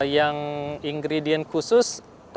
yang ingredient khususnya adalah bakso